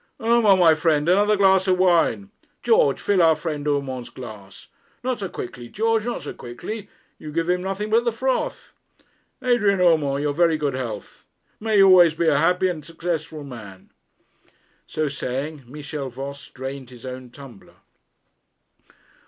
'Urmand, my friend, another glass of wine. George, fill our friend Urmand's glass; not so quickly, George, not so quickly; you give him nothing but the froth. Adrian Urmand, your very good health. May you always be a happy and successful man!' So saying, Michel Voss drained his own tumbler.